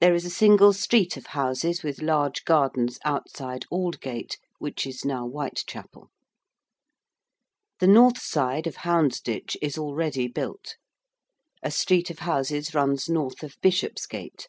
There is a single street of houses with large gardens outside Aldgate, which is now Whitechapel. The north side of Houndsditch is already built. A street of houses runs north of Bishopsgate.